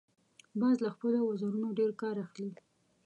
باز له خپلو وزرونو ډیر کار اخلي